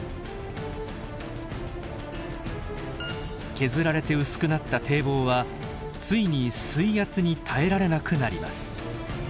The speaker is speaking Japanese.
削られて薄くなった堤防はついに水圧に耐えられなくなります。